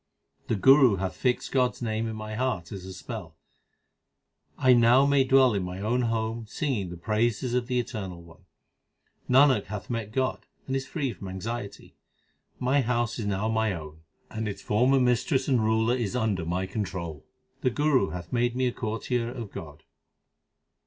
The Guru hath fixed God s name in my heart as a spell. I now may dwell in my own home singing the praises of the Eternal One. Nanak hath met God, and is free from anxiety. My house is now mine own, and its former mistress and ruler 7s under my control ; the Guru hath made me a courtier of God.